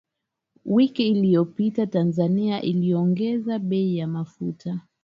Wiki iliyopita Tanzania iliongeza bei ya mafuta